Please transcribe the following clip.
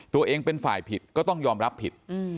ตัวเองเป็นฝ่ายผิดก็ต้องยอมรับผิด